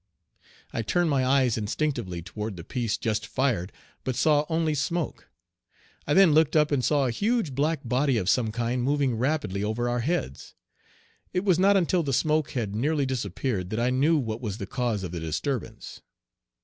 I turned my eyes instinctively toward the piece just fired, but saw only smoke. I then looked up and saw a huge black body of some kind moving rapidly over our heads. It was not until the smoke had nearly disappeared that I knew what was the cause of the disturbance.